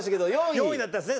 ４位だったんですね。